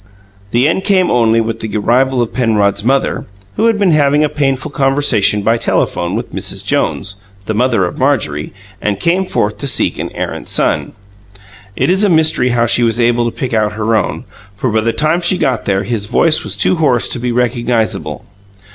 The end came only with the arrival of Penrod's mother, who had been having a painful conversation by telephone with Mrs. Jones, the mother of Marjorie, and came forth to seek an errant son. It is a mystery how she was able to pick out her own, for by the time she got there his voice was too hoarse to be recognizable.